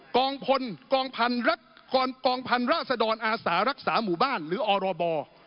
กองพันธุ์ราษฎรอาสารักษาหมู่บ้านหรืออรบ